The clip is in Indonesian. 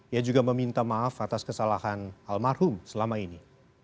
ia juga meminta maaf atas kesalahan almarhum selama ini